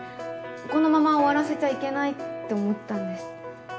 このまま終わらせちゃいけないって思ったんです。